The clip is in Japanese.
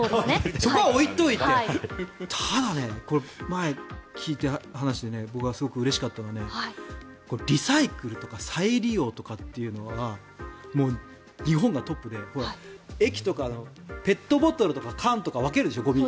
そこは置いといてただ、前に聞いた話で僕がすごくうれしかったのはリサイクルとか再利用とかというのはもう日本がトップで駅とかのペットボトルとか缶とかゴミ、分けるでしょ。